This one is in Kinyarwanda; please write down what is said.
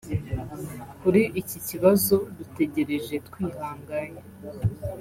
kuri iki kibazo dutegereje twihanganye